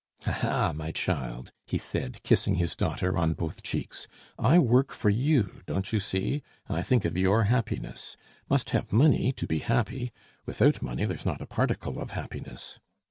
"Ha! ha! my child," he said, kissing his daughter on both cheeks. "I work for you, don't you see? I think of your happiness. Must have money to be happy. Without money there's not a particle of happiness.